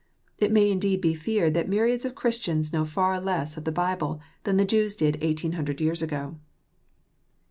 It may indeed be feared that myriads of Christians know far less of the Bible than the Jews did eighteen hundred years ago.